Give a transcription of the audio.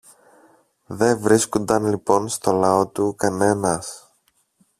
Δε βρίσκουνταν λοιπόν στο λαό του κανένας